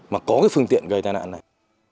mà có cái phương tiện gây tai nạn này